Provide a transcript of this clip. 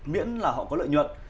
miễn là họ có lợi nhuận